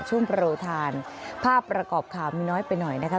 ช่วงประโรยทานภาพประกอบขาวมีน้อยไปหน่อยนะคะ